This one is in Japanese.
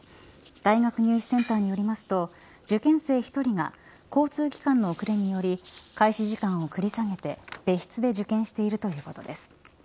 大学入試センターによりますと受験生１人が交通機関の遅れにより開始時間を繰り下げて別室で受験しているということです。